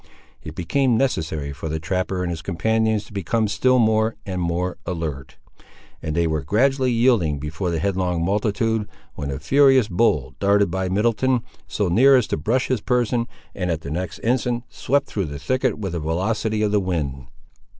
It became necessary for the trapper and his companions to become still more and more alert; and they were gradually yielding before the headlong multitude, when a furious bull darted by Middleton, so near as to brush his person, and, at the next instant, swept through the thicket with the velocity of the wind.